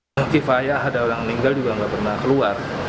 nanti faya ada orang yang meninggal juga nggak pernah keluar